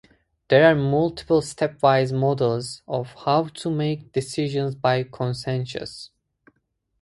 There are multiple stepwise models of how to make decisions by consensus.